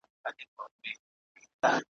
د انسان په وينه گډ دي فسادونه `